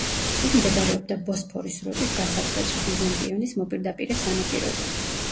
ის მდებარეობდა ბოსფორის სრუტის დასაწყისში, ბიზანტიონის მოპირდაპირე სანაპიროზე.